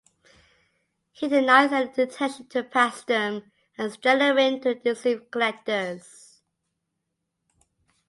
He denies any intention to pass them as genuine to deceive collectors.